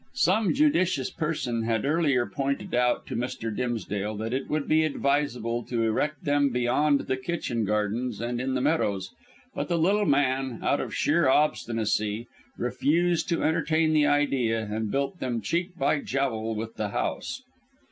Some judicious person had earlier pointed out to Mr. Dimsdale that it would be advisable to erect them beyond the kitchen gardens and in the meadows, but the little man, out of sheer obstinacy, refused to entertain the idea, and built them cheek by jowl with the house.